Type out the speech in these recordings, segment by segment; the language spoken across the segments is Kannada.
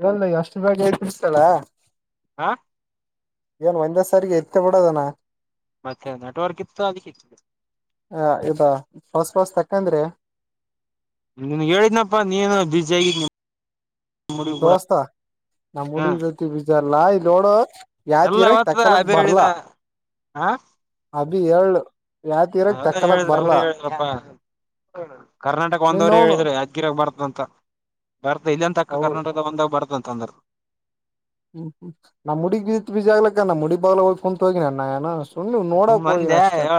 ಇವಂದ್ ಎಷ್ಟು ಬೇಗ ಯಬ್ಬಾರೆಸಿದಲ್ ಹಾ ಏನ್ ಒಂದೇ ಸಾರಿಗೆ ಎತ್ತ ಬಿಡೋದನಾ ಮತ್ತೆ ನೆಟ್ವರ್ಕ್ ಇತ್ತು ಅದಕ್ಕೆ ಹ ಇದು ಹೋಸ ಹೋಸದ ಯಾಕಂದ್ರೆ ನಿಮಗೆ ಹೇಳಿದ್ನಪ್ಪಾ ನೀನು ಬಿಜಿ ಆಗಿದ ದೋಸ್ತಾ ನಮ್ ಹ ಹುಡುಗಿ ಇವತ್ತಿಗೆ ಬಿಜಾರಲ್ಲಾ ಇಲ್ಲಿ ನೋಡ ಯಾತಿಗರಕ್ ತಕ್ಕಲಕ್ ಬರ್ಲ ಆ ಅ ಯಳ್ಳ ಹಂಗ ಹೇಳಿದ್ರ ಅವ್ರೇ ಹೇಳಿದ್ರಪ್ಪ ಕರ್ನಾಟಕ ಒಂದವ್ರೇ ನೀನ್ವ್ನು ಹೇಳಿದ್ರ ಅಕಿರ್ ಬರ್ತ ಅಂತ ಭಾರತ ಇಲ್ಲಂತಕ್ಕ ಅವ ಕರ್ನಾಟಕದ ಒಂದಾಗ ಬಾರತ ಅಂತ ಅಂದ ಹ್ಮ ನಮ ಹುಡುಗಿ ಬಿಜಿ ಆಗ್ಲಕ್ಕ ನ್ ನಮ್ಮ ಹುಡಿಗ್ ಬಾಗಲಕ ಕುಂತಿ ಹೋಗನ್ ನಾನು ಸುಮನ ನೋಡಕ ಸುಮ್ ಹೋಗಿನಿ ಅಂದೆ ಅಷ್ಟ ಹೇಳ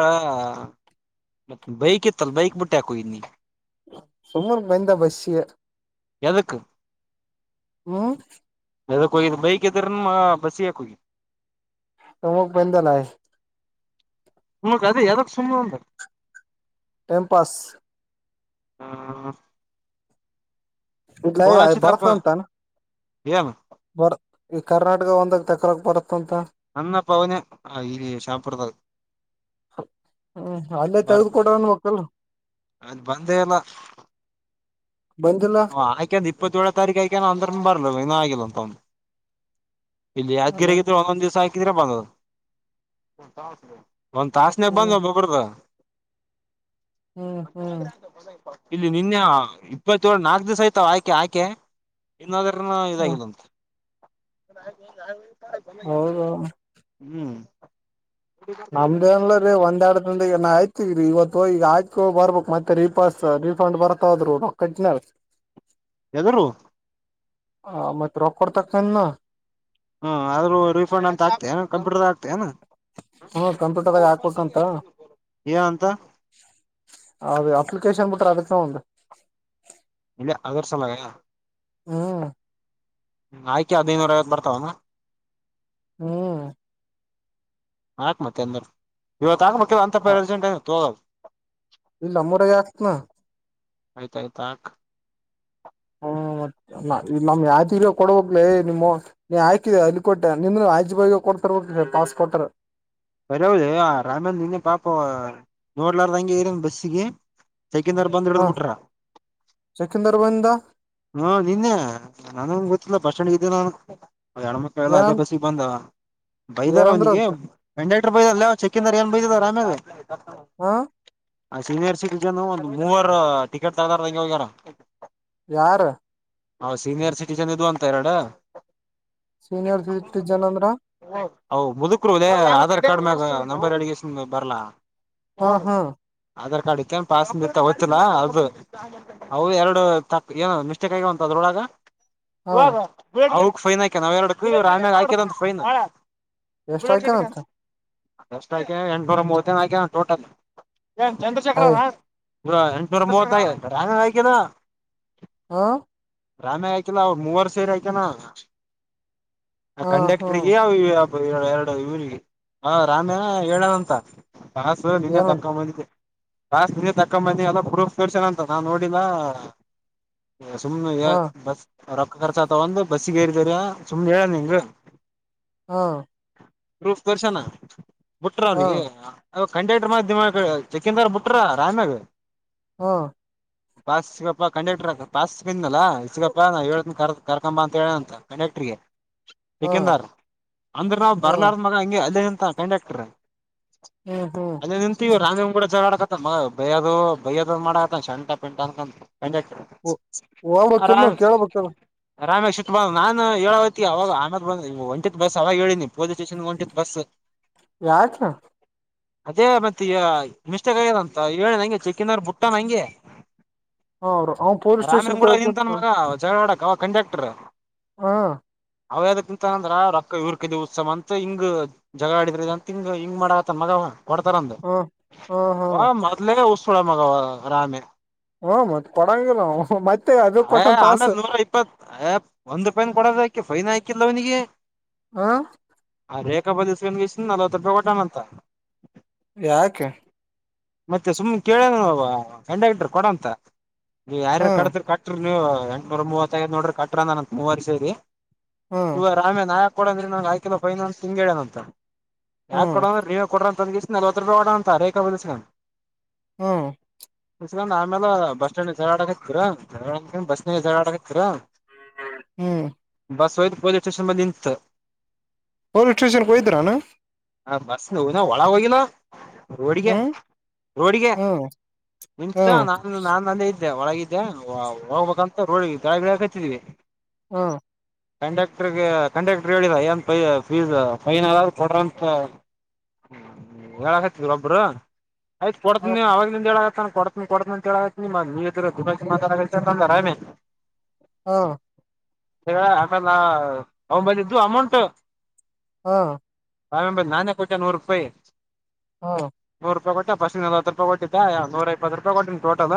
ಮತ್ ಬೈಕ್ ಇತ್ತಲ್ ಬೈಕ್ ಬಿಟ್ಟ ಯಾಕ ಹೋಗಿದ್ ನೀ ಸುಮ್ಮನೆ ಬಂದೇ ಬಸೀಗೇ ಎದುಕ್ ಹ್ಮ ಯದಕ ಹೋಗಿದಿ ಬೈಕ್ ಇದ್ದರು ಬಸ್ ಯಾಕ್ ಹೋಗಿ ಹೋಗ ಬಂದ್ಯಾ ನಾ ಉಮಕ್ ಅದೇ ಯಾದಕ್ ಸುಮ್ಮನೆ ಅಂತ ಟೈಮಪಾಸ ಹಾ ಇಲಯ ಅ ಬರ್ತದಂತಾನ ಏನ್ ಬರ ಈ ಕರ್ನಾಟಕ ಒಂದಾಗ ತಕಲಕ್ ಬರತ್ತ ಅನ್ನ ಪಾವನೆ ಆ ಇಲ್ಲಿ ಶಾಪುರದಗ ಹ್ಮ್ ಅಲ್ಲೇ ತೆಗದ ಕೊಡ ಅನಬೇಕಿಲ್ಲ ಅಲ್ಲೆ ಬಂದೇ ಇಲ್ಲ ಬಂದಿಲ್ಲ ಹ ಹಾಕಿದ ಇಪ್ಪತ್ತಏಳ ತಾರೀಕು ಹಾಕೆನಿ ಅಂದ್ರನು ಬರ್ಲ ಇನ್ನ ಆಗಿಲ್ಲ ಅಂತ ಒಂದ ಇಲ್ಲಿ ಅಲ್ಲ ಯಾದ್ಗಿರಗಿದ್ರೆ ಒಂದೊಂದ್ ದಿವಸ ಹಾಕಿದ್ರೆ ಬಂದದ ಒಂದ್ ತಾಸನಾಗ ಬಂದ್ ಹ್ಮ್ ಒಬ್ಬೊಬ್ಬ್ರ ಹ್ಮ್ ಹ್ಮ್ ಇಲ್ಲಿ ನಿನ್ನೆ ಇಪ್ಪತ್ತು ತೆಳು ನಾಕ್ ದಿವ್ಸ ಆಯ್ತಾವ ಆಯಕೆ ಆಯಕೆ ಇನ್ನಾದ್ರೂ ನು ಹ್ಮ್ ಇದಾಗಿಲ್ಲಂತೆ [unintelligible] ಹೌದು ಹ್ಮ್ ನಮ್ದನ್ ರೀ ಒಂದ್ ಎರಡ್ ದಂದೆ ಆಯ್ತು. ರೀ ಇವತ್ತು ಹೋಗಿ ಈಗ ಆಯ್ಕೋ ಬರ್ಬಬೇಕ್ ಮತ್ತೆ ರೀಪಸ್ ರಿಫಂಡ್ ಬರ್ತದ್ರು ಕಟ್ಟಿನ. [unintelligible] ಎದರವ ಆ ಮತ್ತತ್ ರೊಕ್ಕಡ್ತಕನ್ ಹಾ ಆದ್ರೂ ರಿಫಂಡ್ ಅಂತ ಹಾಕ್ತಿಯ ಕಂಪ್ಯೂಟರ್ದಾಗ ಹಾಕ್ತಿಯ ಏನ್ ಹ್ಮ ಕಂಪ್ಯೂಟರ್ದಾಗ ಹಾಕ್ಬೇಕಂತ [unintelligible] ಏನ್ ಅಂತ ಅದು ಅಪ್ಲಿಕೇಶನ್ ಬಿಟ್ರ ಅದಕ್ಕೆ ಒಂದು ಇಲ್ಲ ಅದರ್ ಸಲಾಗ ಹ್ಮ್ ಆಯ್ಕಿ ಹದೈನೂರ ಐವತ್ತು ಬರ್ತಾವನಾ ಹ್ಮ್ ಹಾಕ್ ಮತ್ತೆ ಎಂದರು ಇವತ್ತುಾಕ್ ಮ ಅಂತಪ್ಪ ಜಂಟ ತೋಗೋಲ್ ಇಲ್ಲ ನಮ್ಮೂರಾಗ ಹಾಕ್ತನ ಆಯ್ತ ಆಯ್ತಾ ಆಕ್ ಹ್ಮ ತ್ತ ಈ ನಮ್ ಯಾಜ ಕೊಡಬಕ್ಲ ನಿಮ್ಮ ನೀ ಹಾಕಿದೆ ಅಲ್ಲಿ ಕೊಟ್ಟೆ ನಿ ಆಜಿ ಬಾಗ ಕೊ ತರ್ಬೇಕ ಪಾಸ್ಪೋರ್ಟ್ರ್ ಬರಿ ಹೌದ ರಾಮೇಂದ ನಿಂ ಪಾಪ ನೋಡ್ಲಾರ ಹಂಗೆ ಇರನ್ ಬಸ್ಸಿಗೆ. ಚೆಕಿಂಗ್ ನವರು ಬಂದ್ ಹ ಹಿಡದ್ ಬಿಟ್ರ. ಸೆಕೆಂದರ್ ಬಂದ ಹಾ ನಿನ್ನೆ ನಾ [unintelligible] ಲ್ಲ ಬಸ್ ಸ್ಟ್ಯಾಂಡ್ ಇದ್ದೇ ನ ಎಣ್ಮಕ್ಕಳಲ್ಲ ಅದೇ ಏನಂದ ಬಸ್ಗೆ ಬಂದ ಬೈದಾರ ಅವನಿಗೆ ಏನಂದ್ರಂತ ಇಂಡಕ್ಟರ್ ಬೈದಲ್ಲ ಚೆಕಿಂಗ್ ರ ಏನ್ ಬೈದ ಅರಾಮ್ಯಾಗ ಹಾ ಆ ಸೀನಿಯರ್ ಸಿಟಿಜನ್ ಒಂದ್ ಮೂವರ್ ಟಿಕೆಟ್ ತಗಾರ ಹಂಗಗೆ ಹೋಗ್ಯಾರ ಯಾರು ಹಾ ಸೀನಿಯರ್ ಸಿಟಿಜನ್ ಇದು ಅಂತ ಎರಡು ಸೀನಿಯರ್ ಸಿಟಿಜನ್ ಅಂದ್ರ ಹ ಮುದುಕರುದೇ ಕಾರ್ಡ್ ಮ ನಂಬರ್ ಎಡನ್ ಬಾರ್ ಹಾ ಹಾ [unintelligible] ನಡಿಕ ಪಸ್ ತಗೋತಿಿಲ್ಲಾ ಅದು ಹ ಎರಡು ತಕ್ ಏನ ಮಿಸ್ಟೇಕ್ ಆಗ ಅಂತು ಅದ್ರೊಳಗ ಹಾ ಹ ಫೈನ್ ಆಾಕ್ಯನಾವರಡ ಆಮೇಲೆ ಹಾಕರಂತ ಫೈನ್ ಎಷ್ಟ ಆಕ್ಯರಂತ ಎಷ್ಟ ಆ ಎಂಟನೂರ ಮೂವತ್ತ ಹಾಕ್ಯಾರ ಟೋಟಲ್ ಎ [unintelligible] ಹಯ್ ಎಂಟನೂರ ಮೂವ ಆಯತದ ಹಾ ರಾಮೇ ಅಕಿಲ್ಲ ಅವ್ರ ಮೂವರು ಸೇರಿ ಆಕ್ಯಾನ ಆ ಹಾ ಹಾ ಕಂಡಕ್ಟ್ರಿಗೆ ಅವ ಏಳ ಎರಡು ಇಗೆ ಹ ರಾಮೇ ಹೇಳದಂತ ಕಾಸು ನಿನ್ನೆ ಏನಂತ ತಕ್ಕೊಂಡ ಬಂದಿದ್ದೆ ಕಾಸ್ ನಿಿ ತಕ್ಕೊಂಬಿ ಅಾವದೋ ಪ್ರೂಫ್ ತರ್ಸನಂತ ನಾನ್ ನೋಡಿಲ್ಲ ಸುಮ್ನೆ ಹಾ ಬಸ್ ರೊಕ್ಕ ಖರ್ಚ ತಗೊಂಡು ಬಸ್ ಹಸಿಗೆ ಇರ್ತೀರ ಸುಮ್ನೆ ಹೇಳನನ್ರ ಹಾ ಪ್ರೂಫ ತೋರ್ಸನಾ ಬುಟ್ರ ಹಾ ಅವಲ್ಲಿಿಗೆ ಕಂಡಕ್ಟ್ರ ಮ ಚೆಕಿಂಗ್ ರ ಬಿುಟ್ರ ರಾಮ್ಯಾಗ ಹಹ್ಮ್ಮ್ ಪಾಸ್ ಸಿಗಪ್ಪಾ ಕಂಡಕ್ಟರ್ ಪಾಸ್ ಬಿಂದಲ್ಲಾ ಸಿಗಪ್ಪಾ ನಾವು ಹೇಳೇಳ್ತ ಕ ಕರ್ಕೊಂಬ ಅಂತ ಹೇಳಂತ ಕಂಡೆಕ್ಟ್ರಗೆ ಹಾ ಚೆಕಿಂಗ್ ನವರು ಅಂದ್ರು ಹಾ ಬರ್ಲಾರದವ್ ಮಗ ಅಲ್ಲೇ ನಿಂತಂ ಕಂಡಕ್ಟರ್ ಹ್ಮ ಹೋ ರಮ್ಯಾ ನು ಗೂಡ ಜಗಳ ಬೈಯೋದು ಬೈಯೋದ್ ಮಾಡಕತ್ತ [unintelligible] ಕಂಡಕ್ಟರ್ ಹೋಗ್ಬೇಕಿಲ್ ನೀವು ಕೇಳ್ಬೇಕಲ್ [unintelligible] [unintelligible] ನಾನ್ ಹೇಳೋವತ್ಗೆ ಅವಾಗ ಆಮಾಗ ಬಂದ ಒಂಟತ್ ಬಸ್ ಅವಾಗ ಹೇಳಿನಿ ಪೊಲೀಸ್ ಸ್ಟೇಷನ್ ಒಂಟತ್ ಬಸ್ ಯಾಕಾ ಅದೇ ಮತ್ತೆ ಮಿಸ್ಟೇಕ್ ಆಗ್ಯದ ಅಂತ ಹೇಳಿ ನಂಗೆ ಚೆಕ್ಕಿನಾರ್ ಬುಟ್ಟ ನಂಗೆ ಹ ಅವ್ರು ಅವ ಪೊಲೀಸ್ ರಾಮೇ ಸ್ಟೇಷನ್ ಕೂಡ ಹೋಗಕ್ ಕುಂತ ನಿಂತನ್ ಮಗ ಚಗಳ್ವಾಡಕ್ ಅವ ಕಂಡಕ್ಟರ್ ಹಾ ಅವ್ಯಯಾವ್ದಕ್ ನಿಂತನ ಅಂದ್ರ ರೊಕ್ಕ ಇವ್ರ ಕಡೆ ಉತ್ಸಮ ಅಂತ ಹಿಂಗ ಜಗ ಆಡಿದ್ರ ಅಂತ ಹಿಂಗ ಹಿಂಗ್ ಮಾಡಕತ್ತನವ ಮಗವ ಕೊಡ್ತಾರಂದ ಹ ಹ ಹಾ ಅವ ಮೊದ್ಲೇ [unintelligible] ಪ್ಪಳ ಮಗ ರಾಮ್ಯ ಹ ಮತ್ ಕೊಡಂಗಿಲ್ಲ ಮತ್ತೆ ಅದು ಅ ಕೊಟ್ಟನ್ ಪಾಸ್ ಆಮೇಲೆ ನೂರ ಇಪ್ಪತ್ ಒಂದು ರೂಪಾಯಿನು ಕೋಡ್ ಕೆ ಫೈನ್ ಆಕಿಲ್ಲ ಅವನಿಗೆ ಹ.. ಆ ರೇಖಪ್ಪ ದೀಸಕನಪಿಸಿಂದು ನಲವತ್ತು ರೂಪಾಯಿ ಕೊಟ್ಟಾನ ಅಂತ ಯಾಕೆ. ಮತ್ತೆ ಸುಮ್ನೆ ಕೇಳೋ ಕಂಡಕ್ಟರ್ ಕೊಡಂತ ನೀವು ಯಾರ ಹ್ಮ್ ಕತರಿ ಕಟ್ರಿ ನೀವು ಎಂಟನೂರ ಮೂವತ್ತು ನೋಡ್ರಿ ಕಟ್ರ ಅನ ಮೂವಾರಿ ಸೇರಿ ಹ್ಮ್ ಇವಾಗ ರಾಮ್ಯ ನಾಯಕ್ ಕೊಡಂದ್ರೆ ನಗೆ ಆಕ್ರಿ ಫೈನ್ ಇಂಗೆ ಹೇಳವನಂತೆ ಯಾಕ ಹ್ಮ್ ಕೊಡ ನೀವ ಕೊಡ್ರಂತಂದಗಸ ನಲ್ವ ರೂಪಾಯಿ ಕೊಡ ಅಂತ ಅ ರೇಕ ಬಸ ಹ್ಮ ಆಮೇಲೆ ಬಸ್ ಸ್ಟ್ಯಾಂಡ್ ಜಗಾಡ ಆಕತ್ತ ಬಸ್ ಝರಡಕತ್ತರ ಹ್ಮ್ ಬಸ್ ಒಯ್ತು ಪೊಲೀಸ್ ಸ್ಟೇಷನ್ ಬಂದಿ ನಿಂತ್ ಪೊಲೀಸ್ ಸ್ಟೇಷನ್ ಕ ಹೋಗಿದ್ದರೇನು ಹ ಬಸ್ ನೋ ವಿನ ಒಳಗ ಹೋಗಿಲ್ಲ ರೋಡಿಗೆ ಹ್ಮ್ ರೋಡಿಗೆ ಹ್ಮ್ ಇಂಷ್ಟ ಹ್ಮ್ ನಾನು ನಾನಲ್ಲೇ ಇದ್ದೆ ಒಳಗಿದ್ದೆ ಹೋಗ್ಬೇಕಂತ ರೋಡಿಗೆ ಕೆಳಗೆ ಇಳಿಯಕಾತಿದ್ವಿ ಹಾ ಕಂಡಕ್ಟರ್ಗೆ ಕಂಡಕ್ಟರ್ ಹೇಳಿರಾ ಏನ್ ಫೀಸ್ ಫೈನ್ ಏನಾದ್ರೂ ಕೊಡ್ರಂತ ಹೇಳಕತ್ತ ಒಬ್ಬರು ಆಯ್ತ ಕೊಡ್ಡತಿನಿ ಹ್ಮ್ ನೀವುವಾಗಲಿಂದ ಹೇಳ. ಕೊಡ್ತೀನಿ ಕೊಡ್ತೀನಿ ಅಂತ ಹೇಳತಿನಿ ನೀವ ಇದ್ರ ದುಮಿ ಮಾತಾಡ ಅಂತಂದ್ರ ಆರಾಮೆ ಹಾ.. ಹ ಆಕಲ್ಲ ಅವನು ಬಂದಿದ್ದು ಅಮೌಂಟ್ ಹಾ. ಆಮೇಲೆ ನಾನೇ ಕೊಟ್ಟೆ ನೂರು ರೂಪಾಯಿ ಹಾ. ನೂರು ಕೊಟ್ಟ ಫಸ್ಟ್ ನಲ್ವತ್ತು ರೂಪಾಯಿ ಕೊಟ್ಟಾ ನೂರೈಪ್ಪತ್ತು ರೂಪಾಯಿ ಕೊಟ್ಟಿನ ಟೋಟಲ್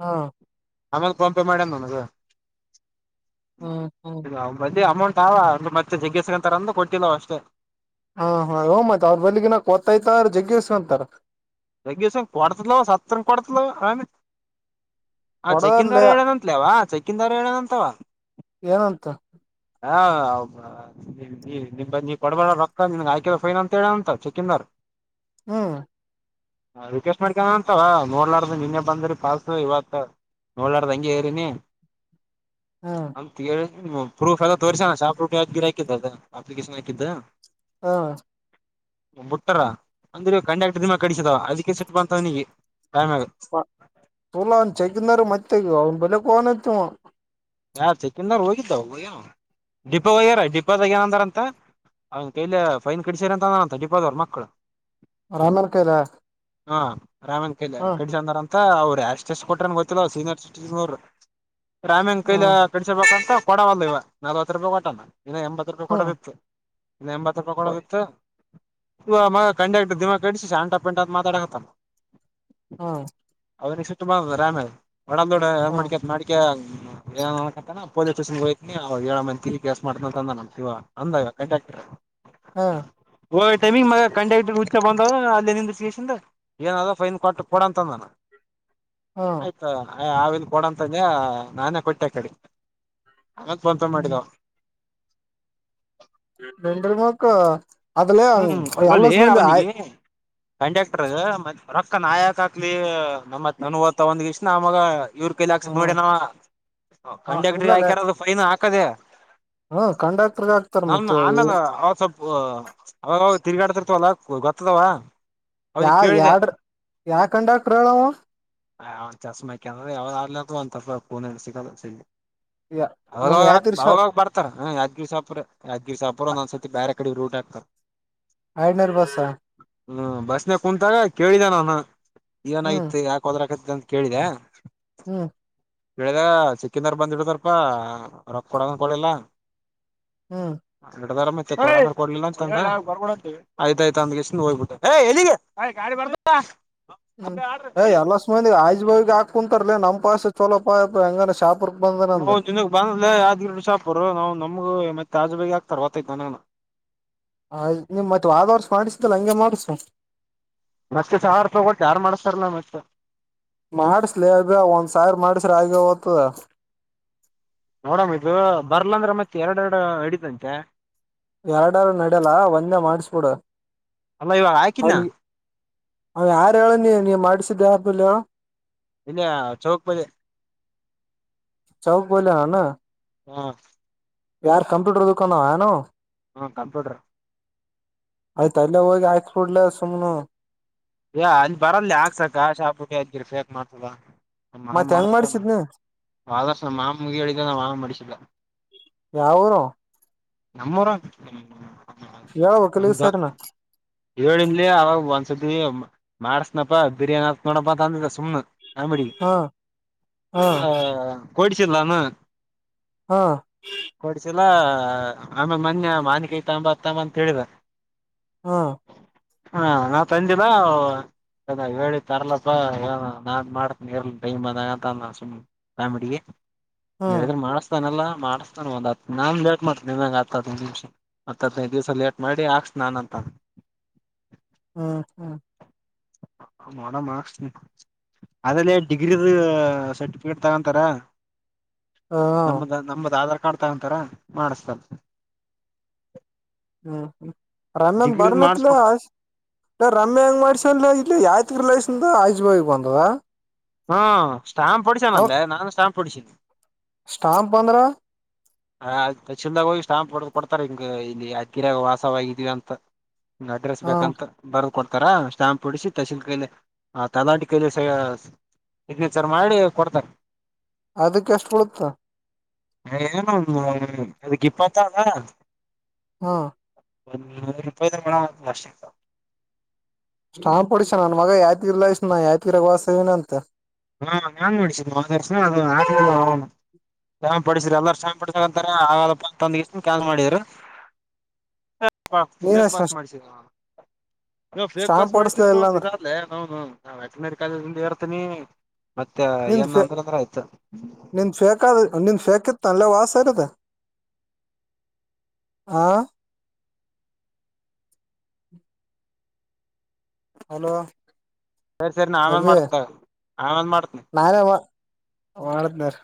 ಹಾ ಆಮೇಲೆ ಫೋನ್ ಪೇ ಮಾಡವ್ನೆ ನನಗ [inaudible] ಹ್ಮ್ ಹ್ಮ್ ಅಮೌಂಟ್. ತಾವ ಅಂದ ಮತ್ತೆ ಜಗ್ಗಸ್ಕಂತಾರಂದು ಕೊಟ್ಟಿಲ್ಲವ ಅಷ್ಟೇ. ಹಾ ಹಾ ಓ ಮತ್ತೆ ಅವ್ರ ಬಲ್ಲಿಗಿನತ್ತಯ್ತ ಜಗ್ಗಿಸ್ಕಂತಾರ. ಜಗ್ಗಿಸ್ಕಂಡ್ ಕೊಡತಲ ಸತ್ತರಂಗ ಕೊಡತಲ ಆ ಆ ಚೆಕ್ಕನ್ ದಾರ ಹೊಡದಲ್ಲೇ ಹೇಳೋಣ ಅಂತಲವಾ ಚೆಕ್ಕನ್ ದಾರ ಹೇಳೋಣಂತವಾ ಏನಂತ ಹಬ ನೀ ನಿ ನೀ ಕೊಡಬ ರೊಕ್ಕ ನಿನ್ಗೆ ಆಯ್ಕದ ಫೈನ್ ಅಂತ ಹೇಳಂತ ಚೆಕ್ಕಿಂದರು. ಹ್ಮ್ ಹ ರಿಕ್ವೆಸ್ಟ್ ಮಾಡ್ಕ ಅಂತವ ನೋಡ್ಲಾರ್ದು ನಿನ್ನೆ ಬಂದ್ರರಿ ಪಾಲ್ಸ ಇವತ್ತು. ನೋಡ ಲಾರ್ದ ಹಂಗೆ ರಿನಿ ಹ್ಮ್ ಅಂತ ಹೇಳಿ ಹೂ ಪ್ರೂಫ್ ಎಲ್ಲ ತೋರ್ಸಣ ಸಾಕು ಹಾಕಿದ್ದ ಅದ ಅಪ್ಲಿಕೇಶನ್ ಹಾಕಿದ್ದ. ಹಾ ಬಿಟ್ಟಾರ ಅಂದ್ರೆ ಕಂಡ್ಯಾಕ್ಟರ್ ದಿಮಾಕ್ ಕಡಿಸಿದ ಅದಕ್ಕೆ ಸಿಟ್ ಬಂತವನೀಗೆ ಪ ಅವನ್ ಚೆಕಿಂದಾರ ಮತ್ತೆ ಇವಾಗ ಅವ್ನ್ ಬಲೆ [unintelligible] ಯಾ ಚೆಕ್ಕಂದಾರರು ಹೋಗಿದ್ದವು ಯ ಡಿಪ್ಯಾರ ಡಿಪೋದಾಗಾ ಏನಂದಾರ ಅಂತ. ಅವನ್ ಕೈಲಿ ಫೈನ್ ಕಡಿಸಾರ ಅಂತ ನಾನನ್ ಡಿಪೋ ಅವ್ರ ಮಕ್ಳು ರಾಮನ್ ಕೈಲ ಹಾ ರಾಮನ್ ಕೈಲ ಹ ಕಟ್ಲಿ ಅಂದಾರ ಅ ಅವ್ರು ಎಸ್ಟ್ ಕೊಟ್ರನ್ ಗೊತ್ತಿಲ್ಲ ಸೀನಿಯರ್ ಸಿಟಿಜನ್ ಅವರು ರಾಮೇನ್ ಹ ಕೈಲ ಕಟ್ಟಿಸಬೆಕಂತ. ಕೊಡವಲ್ಲ ಇವ ನಲ್ವತ್ತು ರೂಪಾಯಿ ಕೊಟಾನ ಇನ್ನ ಎಂಬತ್ ರೂಪಾಯಿ ಹ ಕೊಡೋದೀತ್ತು. ಇನ್ನ ಎಂಬತ್ ರೂಪಾಯಿ ಕೊಡೋದು ಹ ಇತ್ತು ಇವ ಮಗ ಕಂಡಕ್ಟರ್ ದಿಮಾ ಕಡಿಸಿ ಶಂಟಾ ಪೆಂಟ ಅಂತ ಮಾತಾಡಕಥನ ಹಾ. ಅವದನಿಗೆ ಸಿಟ್ಟು ಬಂಧಿತ ರಾಮೆನ ಒಡ ದೋಡಏ ಹ ಮಾಡ್ಕ ಮಾಡಿಕ. ಏ ಅನ್ಕತಾನ ಪೊಲೀಸ್ ಸ್ಟೇಷನ್ ಹೋಗ್ತನಿ ಅವ ಏಳ ಮಂದಿ ಕೇಸ್ ಮಾಡತ ಅಂದ ನವ ಅಂದ ಈವಾ ಕಂಟಾಕ್ಟರ್. ಹ ಹೋಗಿ ಟೈಮ್ ಗೇ ಮಾತ್ರ ಕಂಡಕ್ಟರ್ ಹೇ ಹುಚ್ಚೇ ಅಲ್ಲಿ ಸ್ಟೇಷನ್ ದಾಗ ಏನ್ ಆದ ಫೈನ್ ಕೊಟ್ಟ ಕೊಡಂತ ಹ ಆಯ್ತಾ. ಅಯ್ ಆಲ್ ಕೊಡಂತನ್ ನಾನೇ ಕೊಟ್ಟೆ ಆಕಡೆ ಆಮೇಲೆ ಫೋನ್ ಪೆ ಮಾಡಿದಾವ [unintelligible] ಅದ್ರಲ್ಲೇ ಹ್ಮ್ ಅಲ್ಲಲ್ಲಿ ಅಲ್ಲಾಸ್ ಬಂದೆ ಅವನಿಗೆ ಕಂಡಕ್ಟರ್ ರೊಕ್ಕ ನಾನ್ ಯಾಕೆ ಆಕ್ಲಿ ನಮ್ಮತ್ ಒಂದ ಇಷ್ಟ ನಮಗ ಇವ್ರ ಕೈಲಿ ಹಾಕ್ಸಕ್ ನೋಡಣ ಹ ಆವಾ ಕಂಡಕ್ಟ್ರ ಇಲ್ಲಲ್ಲೇ ಹಾಕ್ಯಾರ ಫೈನ್ ಹಾಕದೆ. ಹ್ಮ ಕಂಡಕ್ಟರ್ಗ ಆಗ್ತಾರ ನಾನು ಮತ್ತೆ ಆಮೇಲೆ ಇವ್ರು ಅವ ಸ್ವಲ್ಪ [unintelligible] ತಿರುಗಾಡಡ್ತಿರ್ತವಲ್ಲ ಗೊತ್ತದಾವ. ಯಾ ಯಡ್ರ ಯಾವ ಕಂಡಕ್ಟ್ರ ಹೇಳ ಅವ ಅವ ಚಸ್ಮಾಕ ಅಂದ್ರ ಯಾವ ಯಾವಾಗಗಾದ್ರೂ ಫೋನೇನು ಸಿಗದು ಯ ಅವಾಗವಾಗ ಅವಾಗವಾಗ ಬರ್ತಾರಾ ಯಾದಗಿರ್ ಸಹಪುರ ಯಾದಗಿರಿ ಸಹಪುರ ಒಂದ್ ಸತಿ ಬೇರೆ ಕಡೆ ರೂಟ್ ಹಾಕ---! ಐದ್ ನೂರಾ ಬಸ್ಸ ಹಾ ಹ್ಮ್ ಬಸ್ನ ಕುಂತಾಗ ಕೇಳಿದೆ ನಾನ ಹ್ಮ್ ಏನಾಗಿತ್ತು ಯಾಕ ಹೋದ್ರಕ ಅಂತ ಕೇಳಿದೆ. ಹ್ಮ್ ಬೆಳಿಗ್ಗೆ ಚೆಂಕಿಂಗ್ ಅವ್ರು ಹಿಡಿದಿಡ್ರಪ್ಪ ರೊಕ್ಕ ಕೊಡಂದ ಕೊಡಲಿಲ್ಲ. ಹ್ಮ್ ಹಿಡಿದರೆ ಮತ್ತೆ ಕೊಡು ಅಂದ್ರೆ ಕೊಡ್ಲಿಲ್ಲ ಅಂತ ಅಂದೇ ಆಯ್ತಾಯ್ತ ಅವ್ನ್ ಗೆಸ್ಸ್ ನಿಂದ ಹೋಗ್ಬಿಡು ಹ್ಮ್ ಎಲ್ಲ ಸಂದ ಆಜ್ ಬಾವಿಗೆ ಹಾಕ ಕುಂತಾರಲ ನಮ್ಮ್ಸ್ ಚಲೋಪ ಹಂಗ ಶಾಪ ನಮಗೆ ಒಂದು ದಿನಗ್ ಬಾ ಅನ್ನರಲೇ ಯಾದಗಿರಿ ಶಾಪರು ನಾವ್ ನಮ್ಗ ಮತ್ತೆ. ತಾಜುಬೇಗ ಆಕ್ ತರ್ವತೈತ ನಾನ. ಹ ನಿಮ್ ಮತ್ ವಾದ ವರ್ಸ ಮಾಡಿಸ್ದಲ್ಲ ಹಂಗೆ ಮಾಡಸ---! ಮತ್ತೆ ಸಾವಿ ರೂಪಾಯಿ ಕೊಟ್ಟು ಯಾರು ಮಾಡಸ್ತಾರಲ್ಲ ಮತ್ತೆ ಮಾಡಸಲೇ ಅದು ಒಂದ್ ಸಾವಿರ್ ಮಾಡಸ್ರ ಆಗ್ಯದ ನೋಡಮ ಇದು ಬರ್ಲ ಅಂದ್ರೆ ಮತ್ತತ್ ಎರಡೆರಡು ನೆಡಿತ್ತಂತೆ ಎರಡಾರು ನಡ್ಯಲ್ಲ ಒಂದೇ ಮಾಡಿಸಬಿಡು ಅಲ್ಲ ಇವಾಗ ಹಾಕಿದ್ನ ಅವ ಯಾರು ಹೇಳ ನೀ ನೀ ಮಾಡಿಸಿದ್ದೆ ಅವದ್ರಲ್ಲಿ ಹೇಳು ಇಲ್ಲೆಯ ಚೌಕಪದಿ. ಚೌಕ ಬೋಲಾನ. ಹಾ. ಯಾರ್ ಕಂಪ್ಯೂಟರ್ ದುಕಾನ ಏನು ಹ್ಮ ಕಂಪ್ಯೂಟರ್. ಆಯ್ತು ಅಲ್ಲೇ ಹೋಗಿ ಹಾಕಿಸಿಬಿಡ್ಲೆ ಸುಮ್ನೆ ಏ ಅಲ್ಲಿ ಬರಲ್ಲೆ ಹಾಕಿಸಕ್ಕ ಆ ಶಾಬುಟ್ಟದಿರ್ ಬಕ್ ಮಾತಲ್ಲ. ನ ಮಾಮ ಮತ್ ಹೆಂಗ್ ಮಾಡಿಸತಾನ ಮಾಡ್ಸಿದ್ನಿ ವಾದ್ ವರ್ಷ ನಮ್ಮ ಮಾವನಿಗೆ ಹೇಳಿದೆ ಅವ್ನೆ ಮಾಡಿಸಿದ್ದ ಯಾವ ಊರು ನಮ್ಮೂರ ಹೇಳ್ಬೇಕಲ್ ಈ ನಮ್ದ ಸರಿನ ಹೇಳಿಡ್ಲೆ ಅವಾಗ ಒಂದ ಸತಿ ಮಾಡಸನಪ್ಪ ಬಿರಿಯಾನಿ ಹತ್ ನೋಡಪ ಅಂತ ಅಂದಿದ್ದ ಸುಮ್ನೆ. ಕಾಮಿಡಿ ಹಾ ಹಾ ಕೊಡಿಸಲೆನ ಹಾ. ಎಲ್ಲ ಆಮೇಲೆ ಮೊನ್ನೆ ಮಾವಿನ ಕಾಯಿ ಬರ್ತಾದ ಅಂತ ಹೇಳಿದ. ಹಾ ಹಾ ನಾವ್ ತಂದಿದ್ದ ನಾವ ಹೇಳಿ ತರ್ಲಪ್ಪಾ ಏ ನಾನ್ ಮಾಡ್ತನಿ ಇರ್ ಟೈಮ್ ಅದ ಅಂತ ಅ ಸುಮ್ಮ್ನೆ. ಕಾಮಿಡಿಗೆ ಹಾ ನೀವ್ ಹೇಳಿದ್ರೆ ಮಾತಾತಾನೇ ಅಲ್ವಾ ಮಾಡ್ತಾನ ಒಂದ್ ಹತ್ ನಾನ್ ಲೇಟ್ ಮಾಡ್ತನ ನಿಮಗೆ ಹದಿನದು ದಿವ್ಸ ಹದಿನೈದು ದಿವಸ ಲೇಟ್ ಮಾಡಿ ಹಾಕ್ಸ್ ನಾನ ಅಂತ. ಹ್ಮ ಹ್ಮ. ಮಾಡುವ ಮಾಡು ಆದದ್ರಲ್ಲಿ ಡಿಗ್ರಿ ಸರ್ಟಿಫಿಕೇಟ್ ತಗೊಂತಾರ. ಹ ನಮ್ದ ನಮ್ದ ಆಧಾರ್ ಕಾರ್ಡ್ ತಗೊಂತಾರ ಮಾಡಸ್ತಲ್. ಹ್ಮ್ ಹ್ಮ್ ರಮ್ಯಾನ್ ಬರ್ನತ್ಲ ಮಾಡಿಸಕೊ ರಮ್ಯಾ ಹೆಂಗ್ ಮಾಡ್ಸಲ್ ಇ ಯಯ್ತ್ಲ ಇ ಆಯುಜ್ ಬಾಗಕ್ ಬಂದದಾ. ಹಾ ಸ್ಟಾಂಪ್ ಹೊಡಿಸನಲ್ಲೇ ನಾನು ಸ್ಟಾಂಪ್ ಹೊಡಿಸಿನಿ. ಸ್ಟಾಂಪ್ ಪಂದ್ರ. ಹ ಚಲ್ದಾಗ ಹೋಗಿ ಸ್ಟಾಂಪ್ ಹೊಡ್ ಕೊಡ್ತಾರೆ ಹಿಂಗ ಇಲ್ಲಿ ಅದ್ಗಿರ ವಾಸವಾಗಿದೀವಿ ಅಂತ. ಅಡ್ರೆಸ್ ಹಾ ಬೇಕಂತ ಬರು. ಕೊಡ್ತಾರ ಸ್ಟ್ಯಾಂಪ್ ಹೊಡಿಸಿ ತಸೀಲ್ ಕೈಲೆ ತಲಾಟಿ ಕೈಲೆ ಸ. ಸಿಗ್ನೇಚರ್ ಮಾಡಿ ಕೊಡ್ತನೆ. ಅದಕ್ಕೆ ಎಷ್ಟ ಬಿಡುತ್ತ. ಏನು ಅದಕ್ಕೆ ಇಪ್ಪತಾನಾ. ಹಾ. ಒಂದುೂರು ರೂಪಾಯಿದ್ರ ಮೇಡಮ್ ಲಾಸ್ಟಿಕ್. ಸ್ಟಾ ಪಡಸ ನನ್ ಮಗ ಯಾತಿ ಇರ್ಲ್ಲ ಇ ನ ಯಾತಿರಾಗ ವಾಸವನ ಅಂತ. ಹಾ ನಾನ್ ನೋಡಿಸಿದ್ನ ಶ್ರಮಯ ಪಡಿಸ್ರಿ ಎಲ್ಲಾರ ಶ್ರಯ ಪಡಿಸಕಂತ ಆಗಲ್ಲಪ್ಪ ತಂದ ಕೆಲ್ಸ ಮಾಡಿದ್ರರು. [unintelligible] ಪ ನೀನ ಶೇಪಸ್ ಮಾಡಿಸಿ. ನೀ ಫೇಕ್ ಬಸ್ ಸ್ಟಾಂಪ್ ಹೊಡಸ್ಲ ಮಾಡಿದೀರ್ನ ಇಲ್ಲ ಅಂತ ಅಂದ್ರ ಬಾದ್ಲೇ ನ್ನು ನಾ ವೆಟನರಿ ಕಾಲೇಜ್ದ ಇರ್ತೀನಿ. ಮತ್ತೆ ನಿಂದ ಏನ್ ಅಂದ್ರ ಅಂದ್ರ ಆಯ್ತು ನಿಂದ ೇಕಾದ ನಿ. ಶೇಕ ತಲ್ಲ ವಾಸ ಸರಿದ ಹಾ. ಹಲೋ. ಸರಿ ಸರಿ ನಮೇಂದ ಅಬಿ ಮಾಡ್ತ ಆಮೇಂದ ಮಾಡ್ತನ. ಅವಳದನಾರ.